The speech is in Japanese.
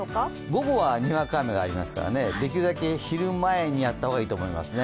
午後はにわか雨がありますから、できるだけ昼前にやった方がいいと思いますね。